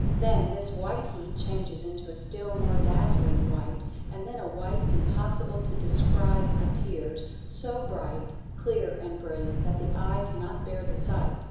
Then this "white heat" changes into a still more dazzling white, and then a white impossible to describe appears, so bright, clear and brilliant that the eye cannot bear the sight.